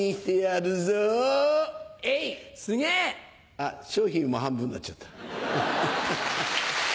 あっ商品も半分になっちゃった。